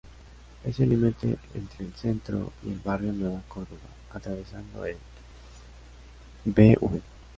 Es el límite entre el Centro y el Barrio Nueva Córdoba, atravesando el Bv.